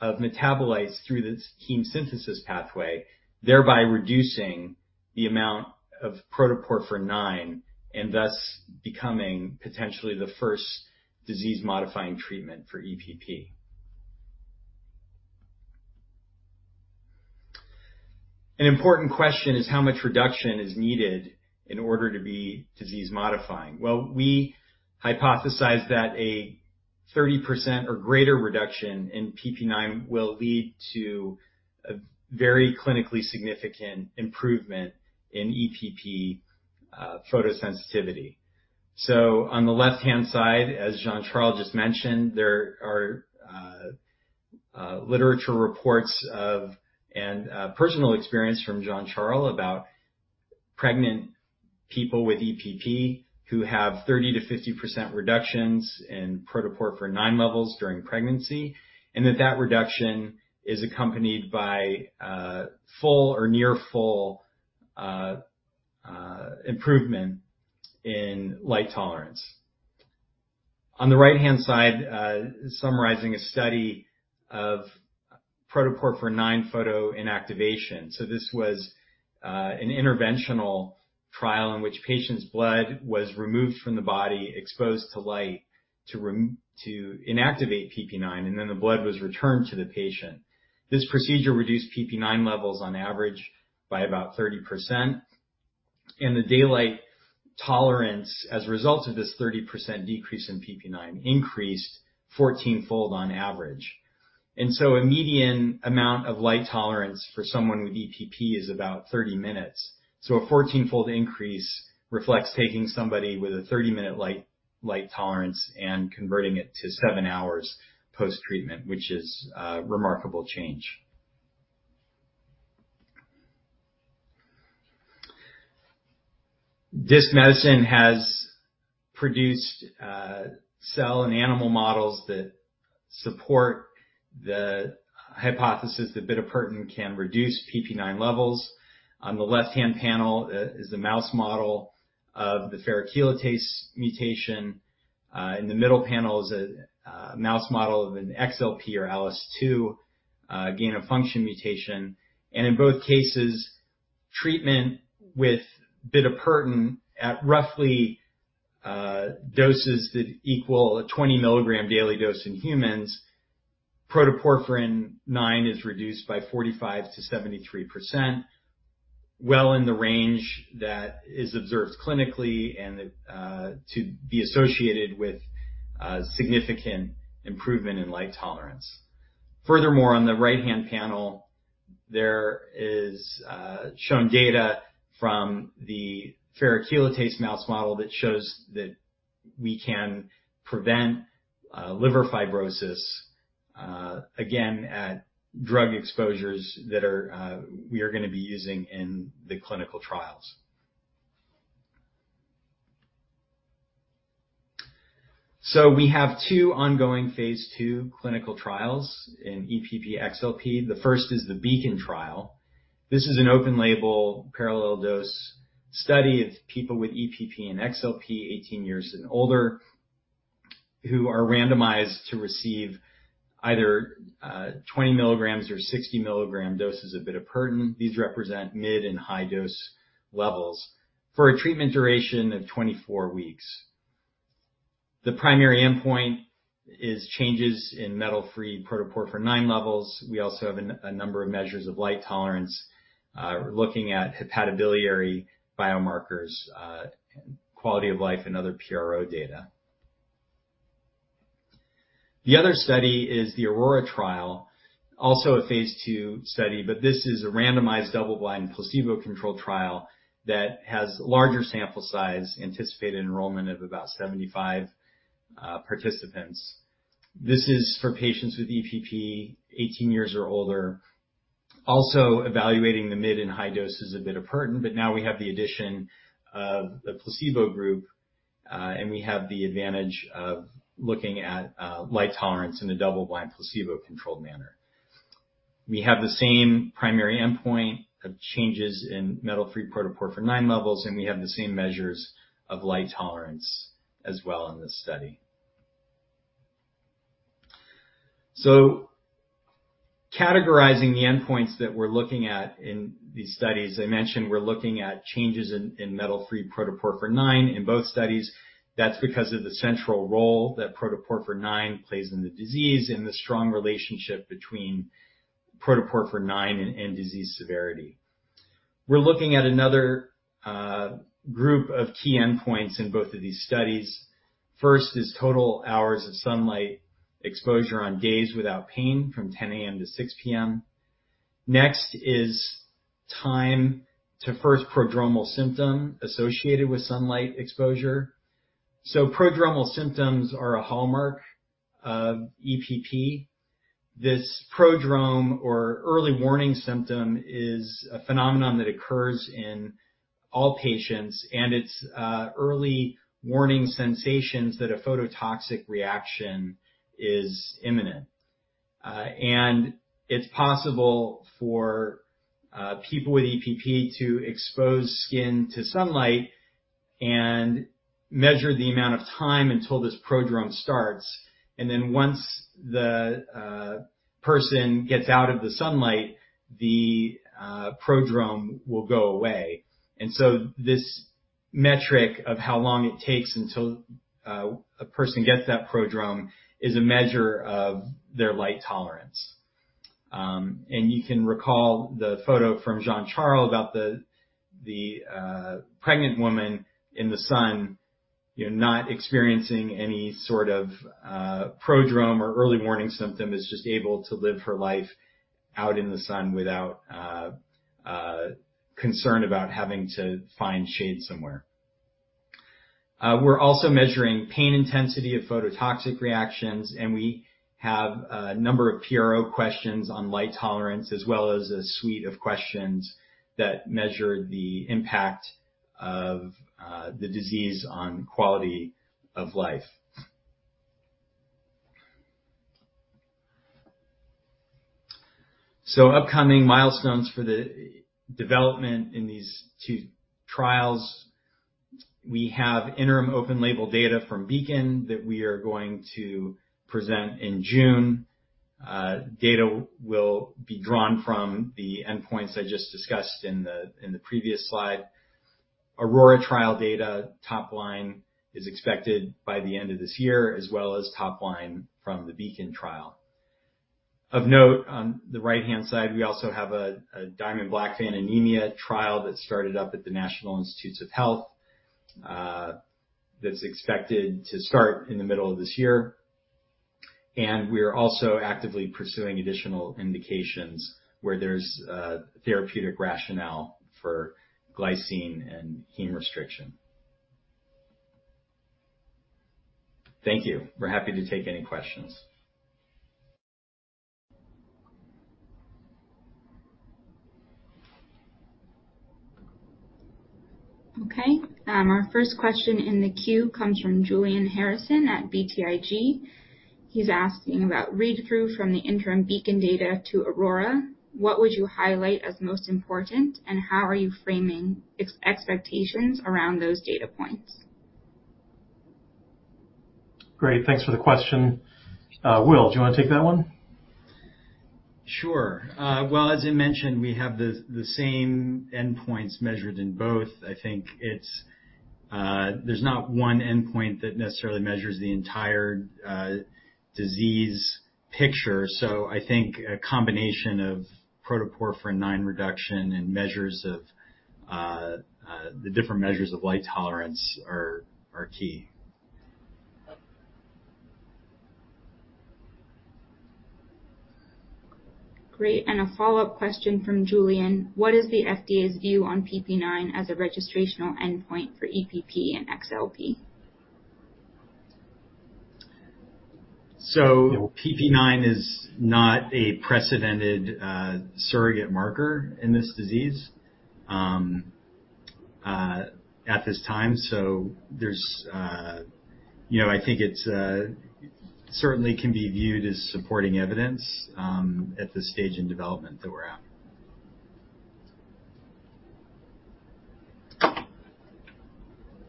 of metabolites through this heme synthesis pathway, thereby reducing the amount of protoporphyrin IX and thus becoming potentially the first disease-modifying treatment for EPP. An important question is how much reduction is needed in order to be disease-modifying. Well, we hypothesize that a 30% or greater reduction in PP IX will lead to a very clinically significant improvement in EPP photosensitivity. On the left-hand side, as Jean-Charles just mentioned, there are literature reports of, and personal experience from Jean-Charles about pregnant people with EPP who have 30%-50% reductions in protoporphyrin IX levels during pregnancy. That reduction is accompanied by a full or near full improvement in light tolerance. On the right-hand side, summarizing a study of protoporphyrin IX photoinactivation. This was an interventional trial in which patients' blood was removed from the body exposed to light to inactivate PP IX, and then the blood was returned to the patient. This procedure reduced PP IX levels on average by about 30%. The daylight tolerance as a result of this 30% decrease in PP IX increased 14-fold on average. A median amount of light tolerance for someone with EPP is about 30 minutes. A 14-fold increase reflects taking somebody with a 30-minute light tolerance and converting it to 7 hours post-treatment, which is a remarkable change. Disc Medicine has produced cell and animal models that support the hypothesis that bitopertin can reduce P IX levels. On the left-hand panel is the mouse model of the ferrochelatase mutation. In the middle panel is a mouse model of an XLP or ALAS2 gain-of-function mutation. In both cases, treatment with bitopertin at roughly doses that equal a 20-milligram daily dose in humans, protoporphyrin IX is reduced by 45%-73%, well in the range that is observed clinically and that to be associated with significant improvement in light tolerance. Furthermore, on the right-hand panel, there is shown data from the ferrochelatase mouse model that shows that we can prevent liver fibrosis again, at drug exposures that are we are gonna be using in the clinical trials. We have two ongoing phase 2 clinical trials in EPP/XLP. The first is the BEACON trial. This is an open-label, parallel-dose study of people with EPP and XLP 18 years and older who are randomized to receive either 20 milligrams or 60 milligram doses of bitopertin. These represent mid and high dose levels for a treatment duration of 24 weeks. The primary endpoint is changes in metal-free protoporphyrin IX levels. We also have a number of measures of light tolerance, looking at hepatobiliary biomarkers, and quality of life and other PRO data. The other study is the AURORA trial, also a phase 2 study. This is a randomized, double-blind, placebo-controlled trial that has larger sample size, anticipated enrollment of about 75 participants. This is for patients with EPP 18 years or older, also evaluating the mid and high doses of bitopertin. Now we have the addition of the placebo group, and we have the advantage of looking at light tolerance in a double-blind, placebo-controlled manner. We have the same primary endpoint of changes in metal-free protoporphyrin IX levels, and we have the same measures of light tolerance as well in this study. Categorizing the endpoints that we're looking at in these studies, I mentioned we're looking at changes in metal-free protoporphyrin IX in both studies. That's because of the central role that protoporphyrin IX plays in the disease and the strong relationship between protoporphyrin IX and disease severity. We're looking at another group of key endpoints in both of these studies. First is total hours of sunlight exposure on days without pain from 10:00 A.M. to 6:00 P.M. Next is time to first prodromal symptom associated with sunlight exposure. Prodromal symptoms are a hallmark of EPP. This prodrome or early warning symptom is a phenomenon that occurs in all patients, and it's early warning sensations that a phototoxic reaction is imminent. It's possible for people with EPP to expose skin to sunlight and measure the amount of time until this prodrome starts. Then once the person gets out of the sunlight, the prodrome will go away. This metric of how long it takes until a person gets that prodrome is a measure of their light tolerance. You can recall the photo from Jean-Charles about the pregnant woman in the sun, you know, not experiencing any sort of prodrome or early warning symptom, is just able to live her life out in the sun without concern about having to find shade somewhere. We're also measuring pain intensity of phototoxic reactions, and we have a number of PRO questions on light tolerance, as well as a suite of questions that measure the impact of the disease on quality of life. Upcoming milestones for the development in these two trials. We have interim open label data from BEACON that we are going to present in June. Data will be drawn from the endpoints I just discussed in the previous slide. AURORA trial data top line is expected by the end of this year, as well as top line from the BEACON trial. Of note, on the right-hand side, we also have a Diamond-Blackfan anemia trial that started up at the National Institutes of Health, that's expected to start in the middle of this year. We are also actively pursuing additional indications where there's a therapeutic rationale for glycine and heme restriction. Thank you. We're happy to take any questions. Okay. Our first question in the queue comes from Julian Harrison at BTIG. He's asking about read-through from the interim BEACON data to AURORA. What would you highlight as most important, and how are you framing expectations around those data points? Great. Thanks for the question. Will, do you wanna take that one? Sure. Well, as you mentioned, we have the same endpoints measured in both. I think it's. There's not one endpoint that necessarily measures the entire disease picture. I think a combination of protoporphyrin IX reduction and measures of the different measures of light tolerance are key. Great. A follow-up question from Julian. What is the FDA's view on PP9 as a registrational endpoint for EPP and XLP? PP9 is not a precedented surrogate marker in this disease at this time. There's You know, I think it's certainly can be viewed as supporting evidence at this stage in development that we're at.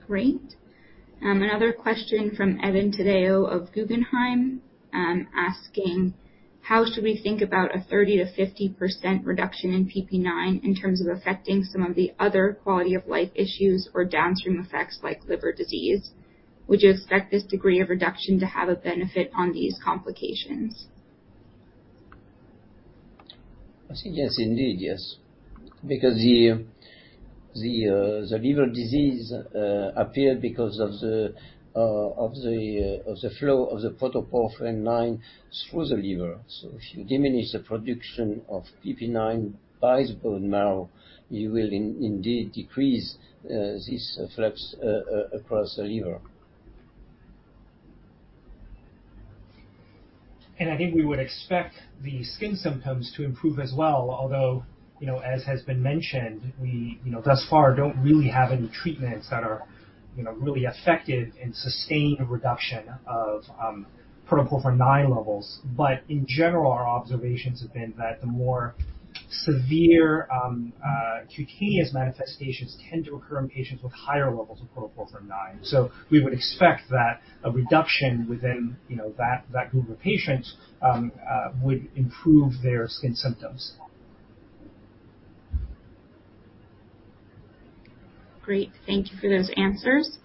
Great. another question from Evan Tadeo of Guggenheim, asking, how should we think about a 30%-50% reduction in PP9 in terms of affecting some of the other quality of life issues or downstream effects like liver disease? Would you expect this degree of reduction to have a benefit on these complications? I think yes, indeed, yes. The liver disease appeared because of the flow of the protoporphyrin IX through the liver. If you diminish the production of PP9 by the bone marrow, you will indeed decrease this flux across the liver. I think we would expect the skin symptoms to improve as well. Although, you know, as has been mentioned, we, you know, thus far, don't really have any treatments that are, you know, really effective in sustained reduction of protoporphyrin IX levels. In general, our observations have been that the more severe cutaneous manifestations tend to occur in patients with higher levels of protoporphyrin IX. We would expect that a reduction within, you know, that group of patients would improve their skin symptoms. Great. Thank you for those answers.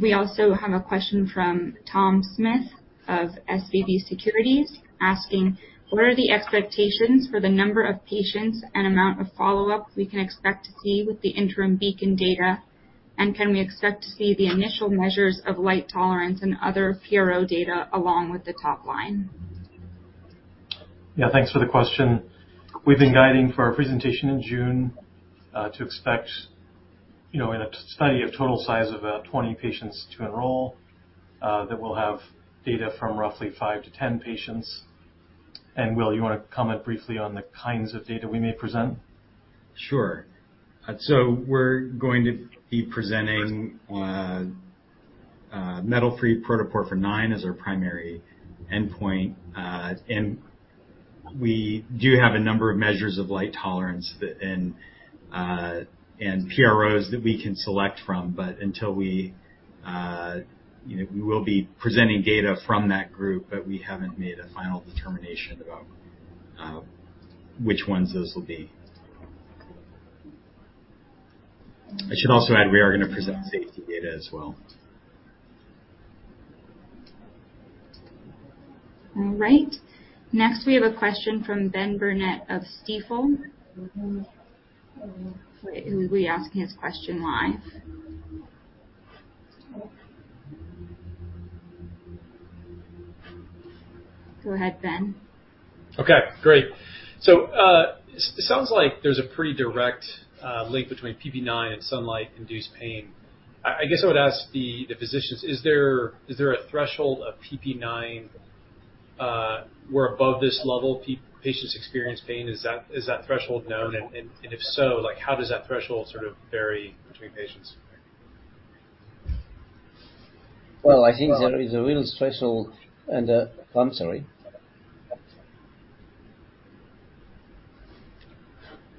We also have a question from Tom Smith of SVB Securities asking, what are the expectations for the number of patients and amount of follow-up we can expect to see with the interim BEACON data? Can we expect to see the initial measures of light tolerance and other PRO data along with the top line? Yeah, thanks for the question. We've been guiding for our presentation in June, to expect, you know, in a study of total size of about 20 patients to enroll, that we'll have data from roughly 5 to 10 patients. Will, you wanna comment briefly on the kinds of data we may present? Sure. We're going to be presenting metal-free protoporphyrin IX as our primary endpoint. We do have a number of measures of light tolerance that and PROs that we can select from. Until we, you know, we will be presenting data from that group, but we haven't made a final determination about which ones those will be. I should also add we are gonna present safety data as well. All right. Next, we have a question from Benjamin Burnett of Stifel. Will he be asking his question live? Go ahead, Ben. Okay, great. sounds like there's a pretty direct link between PP9 and sunlight-induced pain. I guess I would ask the physicians, is there a threshold of PP9 where above this level patients experience pain? Is that threshold known? if so, like, how does that threshold sort of vary between patients? Well, I think there is a real threshold and. I'm sorry.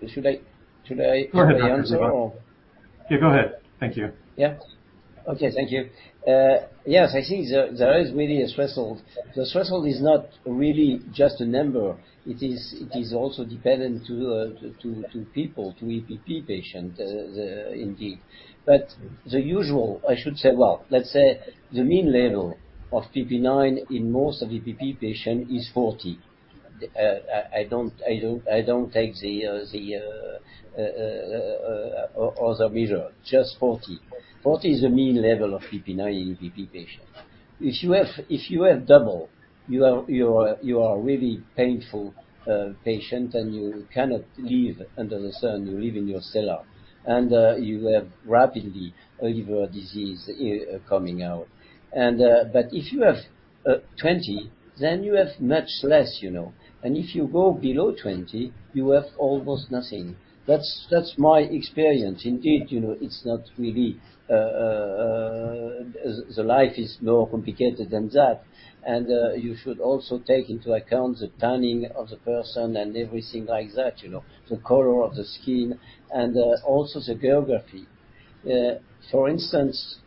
Should I answer or-? Go ahead, Dr. Deybach. Yeah, go ahead. Thank you. Yeah. Okay. Thank you. Yes. I think there is really a threshold. The threshold is not really just a number. It is also dependent to people, to EPP patient indeed. The usual, I should say. Well, let's say the mean level of PP9 in most of EPP patient is 40. I don't take the other measure, just 40. 40 is the mean level of PP9 in EPP patients. If you have double, you are really painful patient, and you cannot live under the sun. You live in your cellar. You have rapidly liver disease here coming out. If you have 20, you have much less, you know. If you go below 20, you have almost nothing. That's my experience. Indeed, you know, it's not really precise. The life is more complicated than that. You should also take into account the tanning of the person and everything like that, you know. The color of the skin and also the geography. For instance,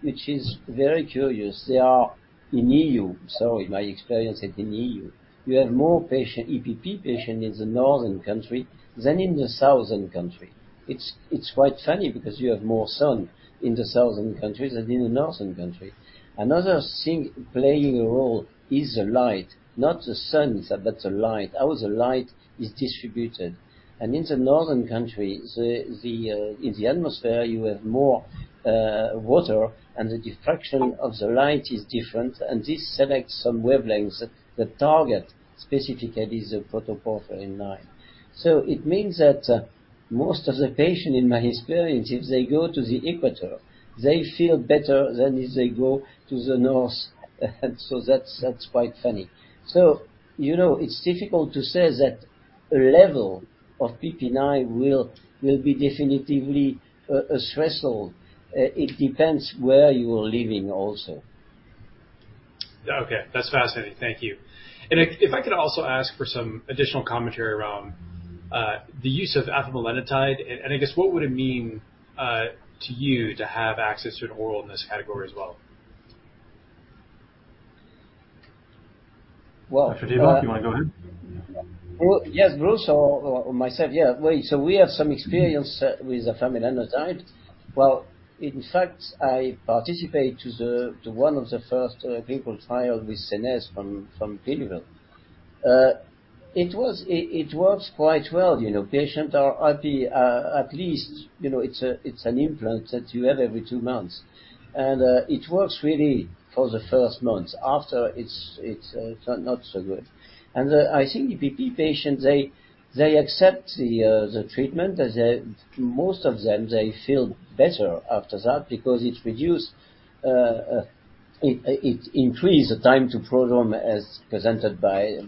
which is very curious, there are in EU, so in my experience in the EU, you have more EPP patient in the northern country than in the southern country. It's quite funny because you have more sun in the southern countries than in the northern country. Another thing playing a role is the light, not the sun, but the light. How the light is distributed. In the northern country, the... in the atmosphere, you have more water, and the diffraction of the light is different, and this selects some wavelengths that target specifically the protoporphyrin IX. It means that most of the patient, in my experience, if they go to the equator, they feel better than if they go to the north. That's quite funny. You know, it's difficult to say that a level of PP9 will be definitively a threshold. It depends where you are living also. Okay. That's fascinating. Thank you. If I could also ask for some additional commentary around the use of afamelanotide and I guess what would it mean to you to have access to an oral in this category as well? Well. Dr. Dr. Dr. Deybach, you wanna go ahead? Well, yes, Bruce or myself. Yeah. Well, we have some experience with afamelanotide. Well, in fact, I participate to one of the first clinical trial with Scenesse from Clinuvel. It works quite well, you know. Patients are happy. At least, you know, it's an implant that you have every 2 months. It works really for the first month. After, it's not so good. I think EPP patients, they accept the treatment. Most of them, they feel better after that because it reduce it increase the time to prodrome as presented by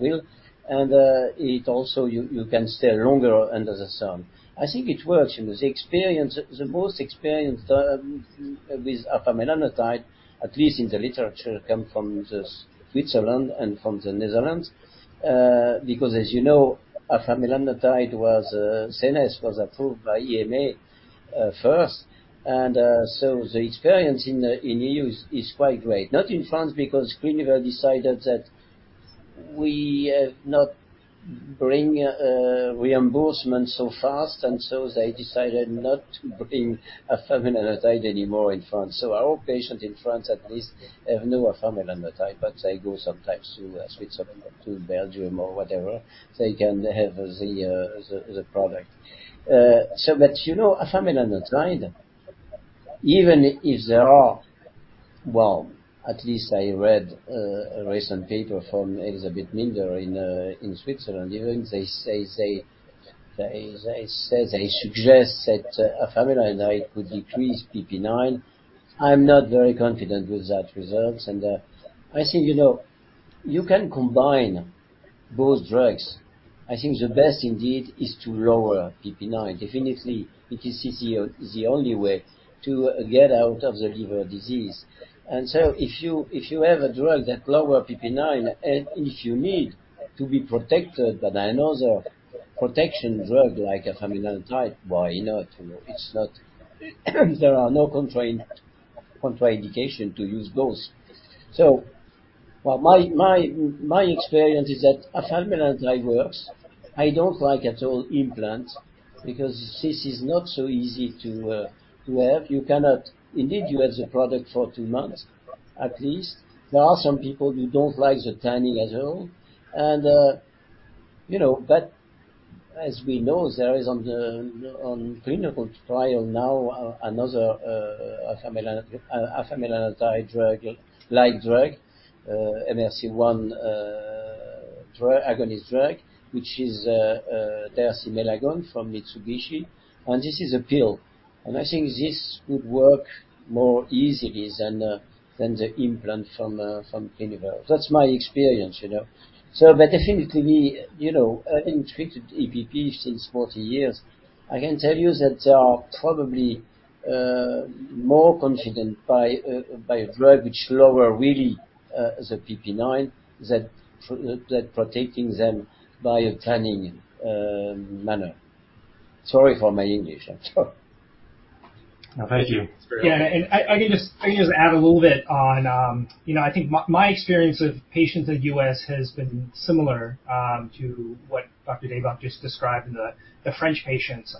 Will. It also you can stay longer under the sun. I think it works. You know, the experience, the most experience with afamelanotide, at least in the literature, come from the Switzerland and from the Netherlands. Because as you know, afamelanotide was Scenesse was approved by EMA first. The experience in EU is quite great. Not in France because Clinuvel decided that we not bring reimbursement so fast. They decided not to bring afamelanotide anymore in France. Our patients in France at least have no afamelanotide, but they go sometimes to Switzerland or to Belgium or whatever. They can have the product. You know, afamelanotide, even if there are. Well, at least I read a recent paper from Elizabeth Minder in Switzerland. Even they say, they say they suggest that afamelanotide could decrease PP9. I'm not very confident with that results. I think, you know, you can combine both drugs. I think the best indeed is to lower PP IX. Definitely, it is the only way to get out of the liver disease. If you, if you have a drug that lower PP IX and if you need to be protected by another protection drug like afamelanotide, why not? You know, it's not. There are no contraindication to use those. Well, my experience is that afamelanotide works. I don't like at all implants because this is not so easy to have. You cannot. Indeed, you have the product for two months at least. There are some people who don't like the tanning at all. As we know, there is on the, on clinical trial now another afamelanotide drug, like drug, MC1R drug, agonist drug, which is Dersimelagon from Mitsubishi, and this is a pill. I think this could work more easily than the implant from Clinuvel. That's my experience, you know. Definitely, you know, having treated EPP since 40 years, I can tell you that there are probably more confident by a drug which lower really the PP IX than protecting them by a tanning manner. Sorry for my English. No, thank you. It's very helpful. Yeah. I can just, I can just add a little bit on. You know, I think my experience with patients in the U.S. has been similar to what Dr. Deybach just described in the French patients.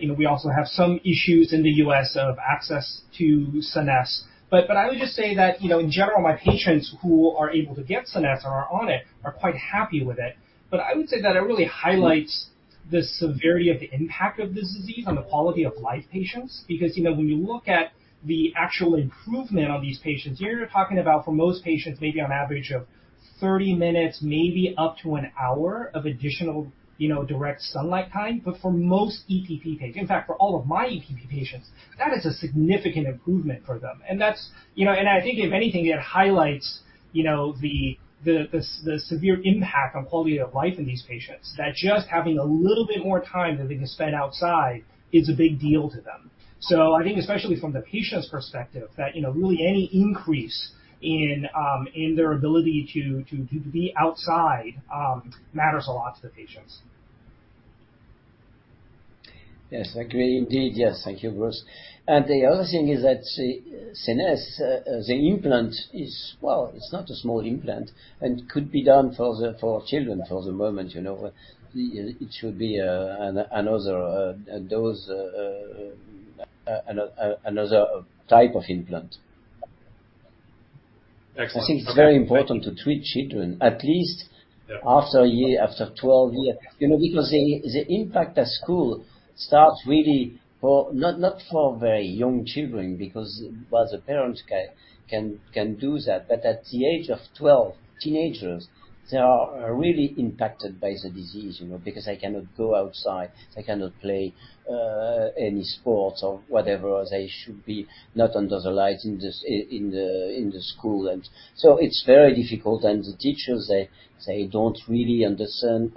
You know, we also have some issues in the U.S. of access to Scenesse. I would just say that, you know, in general, my patients who are able to get Scenesse or are on it are quite happy with it. I would say that it really highlights the severity of the impact of this disease on the quality of life patients. You know, when you look at the actual improvement on these patients, you're talking about for most patients, maybe on average of 30 minutes, maybe up to 1 hour of additional, you know, direct sunlight time. For most EPP patients, in fact, for all of my EPP patients, that is a significant improvement for them. That's, you know, and I think if anything, it highlights, you know, the severe impact on quality of life in these patients. That just having a little bit more time that they can spend outside is a big deal to them. I think especially from the patient's perspective that, you know, really any increase in their ability to be outside, matters a lot to the patients. Yes, I agree indeed. Yes. Thank you, Bruce. The other thing is that Scenesse, the implant is, well, it's not a small implant and could be done for children for the moment, you know. It should be another, those, another type of implant. Excellent. Okay. I think it's very important to treat children, at least- Yeah. After a year, after 12 year. You know, because the impact at school starts really for not for very young children because while the parents can do that. At the age of 12, teenagers, they are really impacted by the disease, you know, because they cannot go outside, they cannot play any sports or whatever. They should be not under the light in the school. It's very difficult. The teachers, they don't really understand.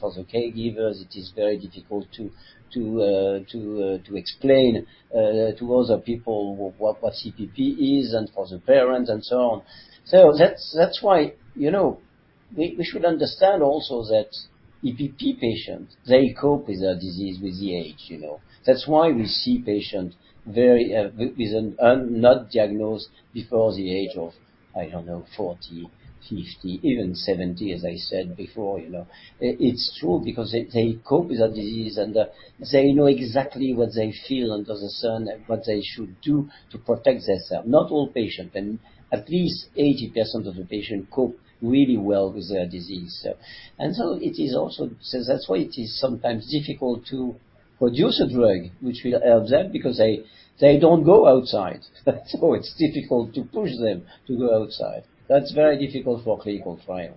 For the caregivers, it is very difficult to explain to other people what EPP is and for the parents and so on. That's why, you know, we should understand also that EPP patients, they cope with their disease with the age, you know. That's why we see patients very, with not diagnosed before the age of, I don't know, 40, 50, even 70, as I said before, you know. It's true because they cope with the disease and they know exactly what they feel under the sun and what they should do to protect themselves. Not all patients, and at least 80% of the patients cope really well with their disease. That's why it is sometimes difficult to produce a drug which will help them because they don't go outside. It's difficult to push them to go outside. That's very difficult for clinical trial.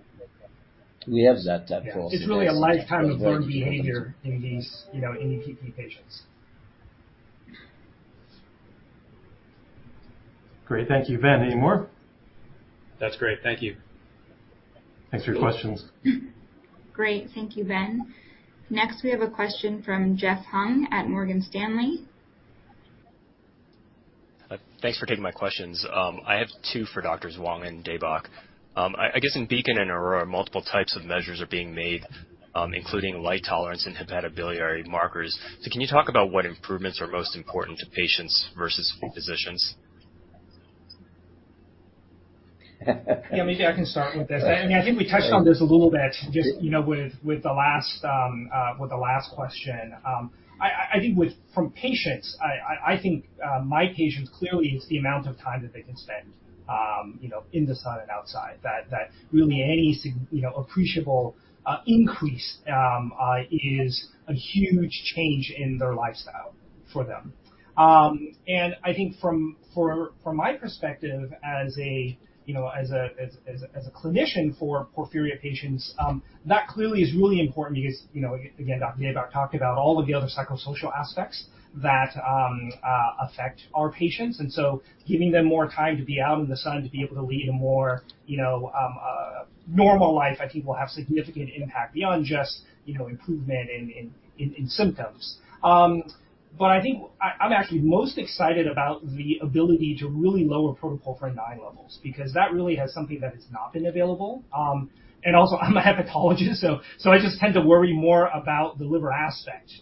We have that. Yeah. It's really a lifetime of learned behavior in these, you know, in EPP patients. Great. Thank you. Ben, any more? That's great. Thank you. Thanks for your questions. Great. Thank you, Ben. Next, we have a question from Jeffrey Hung at Morgan Stanley. Thanks for taking my questions. I have 2 for Doctors Wang and Deybach. I guess in BEACON and AURORA, multiple types of measures are being made, including light tolerance and hepatobiliary markers. Can you talk about what improvements are most important to patients versus physicians? Maybe I can start with this. I mean, I think we touched on this a little bit just, you know, with the last question. I think with from patients, I think my patients clearly it's the amount of time that they can spend, you know, in the sun and outside that really any appreciable increase is a huge change in their lifestyle for them. I think from my perspective as a, you know, as a clinician for porphyria patients, that clearly is really important because, you know, again, Dr. Deybach talked about all of the other psychosocial aspects that affect our patients. Giving them more time to be out in the sun, to be able to lead a more, you know, normal life, I think will have significant impact beyond just, you know, improvement in symptoms. But I think I'm actually most excited about the ability to really lower protoporphyrin IX levels because that really has something that has not been available. Also I'm a hepatologist, so I just tend to worry more about the liver aspect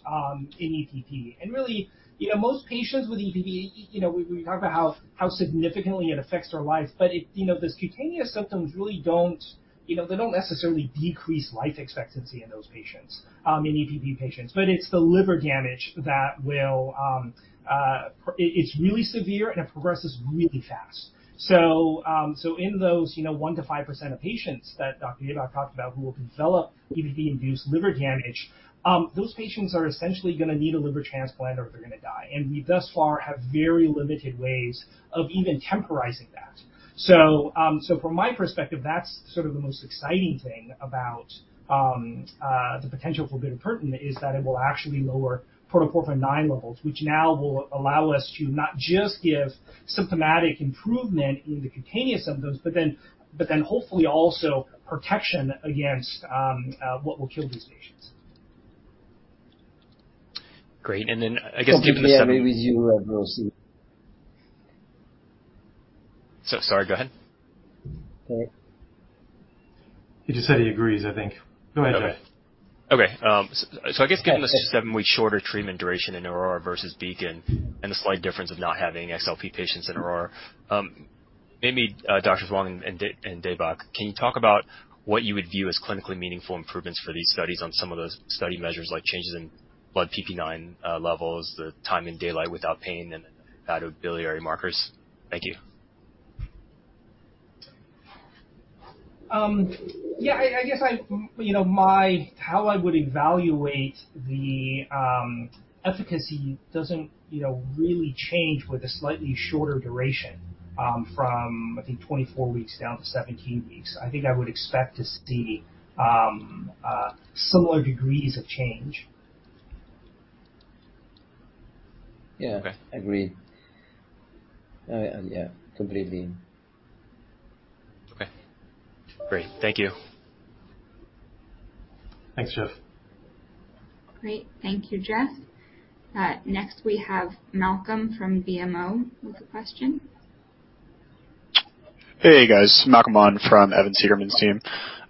in EPP. Really, you know, most patients with EPP, you know, we talked about how significantly it affects their life. But it, you know, the cutaneous symptoms really don't, you know, they don't necessarily decrease life expectancy in those patients in EPP patients. It's the liver damage that will. It's really severe and it progresses really fast. In those, you know, 1%-5% of patients that Dr. Deybach talked about who will develop EPP-induced liver damage, those patients are essentially gonna need a liver transplant or they're gonna die. We thus far have very limited ways of even temporizing that. From my perspective, that's sort of the most exciting thing about the potential for bitopertin is that it will actually lower protoporphyrin IX levels, which now will allow us to not just give symptomatic improvement in the cutaneous symptoms, but then hopefully also protection against what will kill these patients. Great. I guess given the seven- with you, Bruce. Sorry, go ahead. All right. He just said he agrees, I think. Go ahead, Jeff. I guess given the 7-week shorter treatment duration in AURORA versus BEACON and the slight difference of not having XLP patients in AURORA, maybe Doctors Wang and Deybach, can you talk about what you would view as clinically meaningful improvements for these studies on some of those study measures, like changes in blood PP9 levels, the time in daylight without pain, and hepatobiliary markers? Thank you. Yeah, I guess, I, you know, how I would evaluate the efficacy doesn't, you know, really change with a slightly shorter duration, from I think 24 weeks down to 17 weeks. I think I would expect to see similar degrees of change. Yeah. Okay. Agreed. Yeah, completely. Okay, great. Thank you. Thanks, Jeff. Great. Thank you, Jeff. Next we have Malcolm from BMO with a question. Hey, guys. Malcolm Vaughn from Evan Seigerman's team.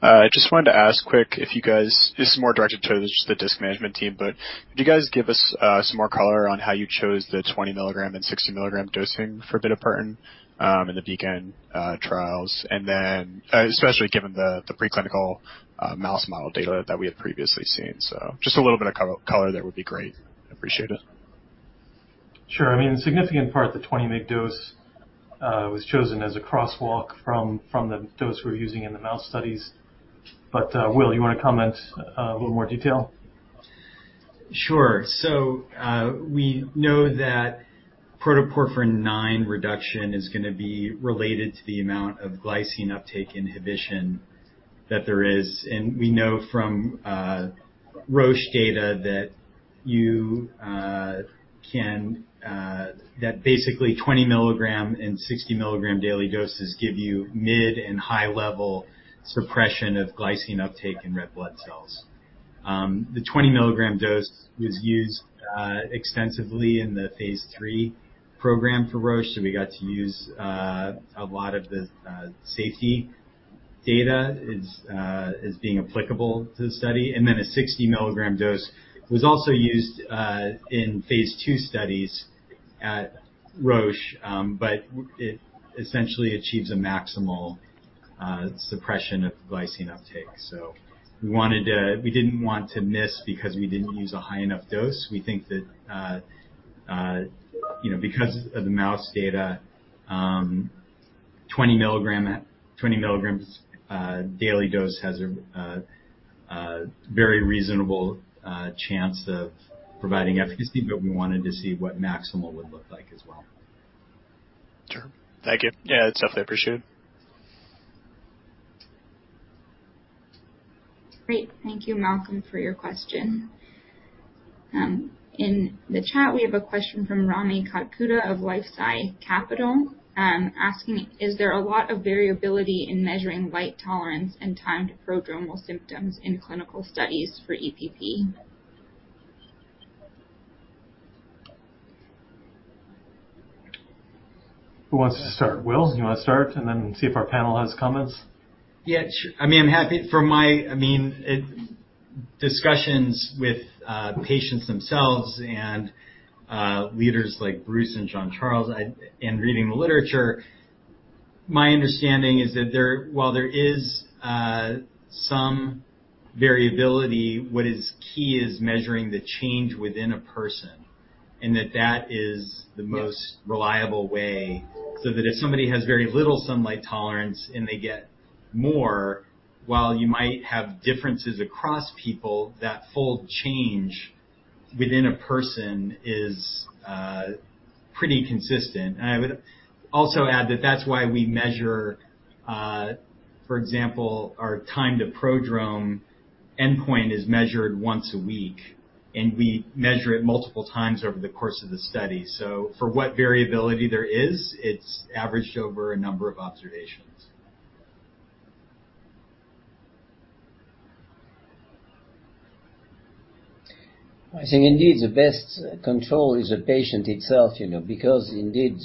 I just wanted to ask quick. This is more directed towards the Disc Medicine management team, but could you guys give us some more color on how you chose the 20-milligram and 60-milligram dosing for bitopertin in the BEACON trials? Especially given the preclinical mouse model data that we had previously seen. A little bit of color there would be great. Appreciate it. Sure. I mean, in significant part, the 20 mg dose was chosen as a crosswalk from the dose we're using in the mouse studies. Will, you wanna comment a little more detail? Sure. We know that protoporphyrin IX reduction is gonna be related to the amount of glycine uptake inhibition that there is. We know from Roche data that basically 20 milligram and 60 milligram daily doses give you mid and high level suppression of glycine uptake in red blood cells. The 20 milligram dose was used extensively in the phase 3 program for Roche, so we got to use a lot of the safety data as being applicable to the study. A 60 milligram dose was also used in phase 2 studies at Roche, but it essentially achieves a maximal suppression of glycine uptake. We wanted, we didn't want to miss because we didn't use a high enough dose. We think that, you know, because of the mouse data, 20 milligrams, daily dose has a very reasonable chance of providing efficacy, but we wanted to see what maximal would look like as well. Sure. Thank you. Yeah, it's definitely appreciated. Great. Thank you, Malcolm, for your question. In the chat, we have a question from Rami Katkhouda of LifeSci Capital, asking, "Is there a lot of variability in measuring light tolerance and time to prodromal symptoms in clinical studies for EPP? Who wants to start? Will, you wanna start and then see if our panel has comments? I mean, I'm happy. From my, I mean, discussions with patients themselves and leaders like Bruce and Jean-Charles, I, and reading the literature, my understanding is that while there is some variability, what is key is measuring the change within a person, and that that is the most reliable way, so that if somebody has very little sunlight tolerance and they get more, while you might have differences across people, that full change within a person is pretty consistent. I would also add that that's why we measure, for example, our time to prodrome endpoint is measured once a week, and we measure it multiple times over the course of the study. For what variability there is, it's averaged over a number of observations. I think indeed the best control is the patient itself, you know. Indeed,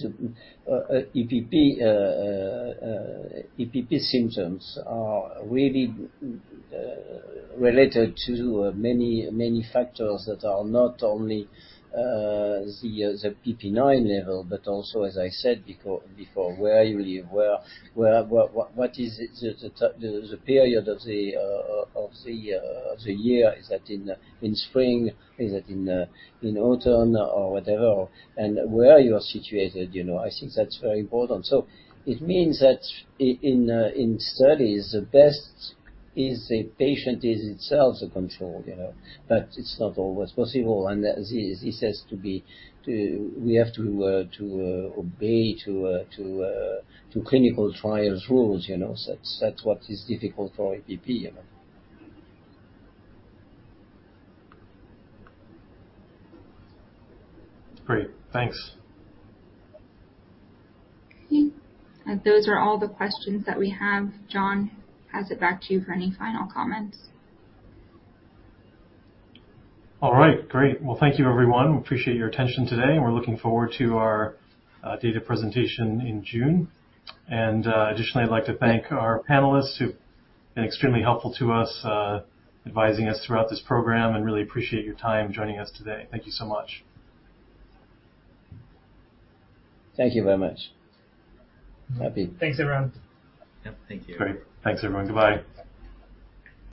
EPP symptoms are really related to many, many factors that are not only the PP IX level, but also, as I said before, where you live, where, what is it, the period of the year. Is that in spring? Is it in autumn or whatever? Where you are situated, you know. I think that's very important. It means that in studies, the best is the patient is itself the control, you know. It's not always possible. As he says to be, we have to obey to clinical trials rules, you know. That's what is difficult for EPP, you know. Great. Thanks. Okay. Those are all the questions that we have. John, pass it back to you for any final comments. All right. Great. Well, thank you everyone. We appreciate your attention today, and we're looking forward to our data presentation in June. Additionally, I'd like to thank our panelists who've been extremely helpful to us, advising us throughout this program and really appreciate your time joining us today. Thank you so much. Thank you very much. Thanks, everyone. Yep. Thank you. Great. Thanks, everyone. Goodbye.